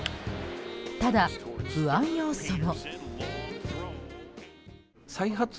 ただ、不安要素も。